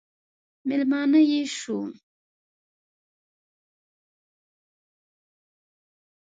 مېلمانه یې شو.